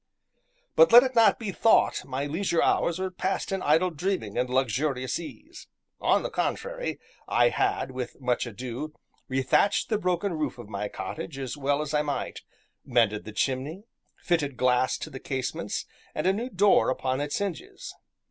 But let it not be thought my leisure hours were passed in idle dreaming and luxurious ease; on the contrary, I had, with much ado, rethatched the broken roof of my cottage as well as I might, mended the chimney, fitted glass to the casements and a new door upon its hinges.